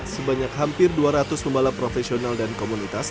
sebanyak hampir dua ratus pembalap profesional dan komunitas